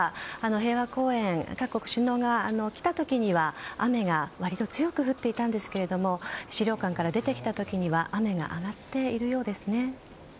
平和公園、各国首脳が来た時には雨が割と強く降っていたんですが資料館から出てきた時には雨が上がっているようですね。